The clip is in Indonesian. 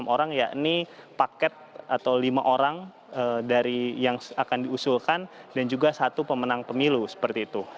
enam orang yakni paket atau lima orang dari yang akan diusulkan dan juga satu pemenang pemilu seperti itu